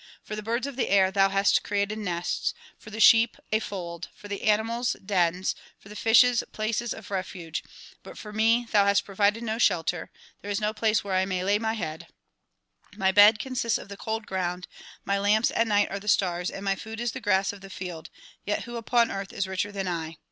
for the birds of the air thou hast created nests, for the sheep a fold, for the ani mals dens, for the fishes places of refuge, but for me thou hast provided no shelter ; there is no place where I may lay my head ; my bed consists of the cold ground, my lamps at night are the stars and my food is the grass of the field, yet who upon earth is richer than I